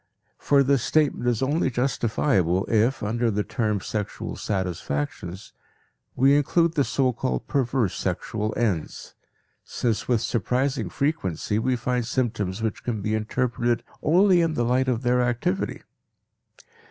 For this statement is only justifiable if, under the term "sexual satisfactions," we include the so called perverse sexual ends, since with surprising frequency we find symptoms which can be interpreted only in the light of their activity.